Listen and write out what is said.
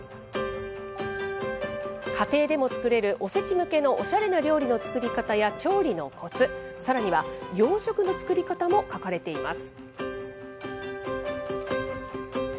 家庭でも作れるおせち向けのおしゃれな料理の作り方や調理のこつ、さらには洋食の作り方も書かれています。